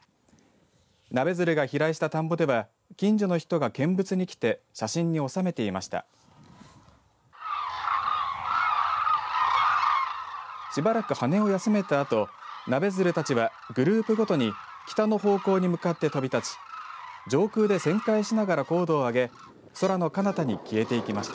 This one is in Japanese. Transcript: ナベヅルが飛来した田んぼでは近所の人が見物に来て写真に収めていました。